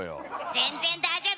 全然大丈夫！